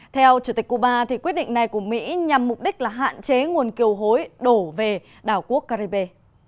theo chủ tịch cuba quyết định này của mỹ nhằm mục đích là hạn chế nguồn kiều hối đổ về đảo quốc caribe